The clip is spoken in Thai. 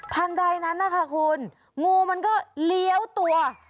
ทันใดนั้นนะคะคุณงูมันก็เลี้ยวตัว